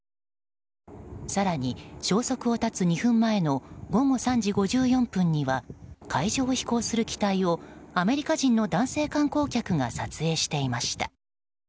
更に消息を絶つ２分前の午後３時５４分には海上を飛行する機体をアメリカ人の男性観光客が撮影していました。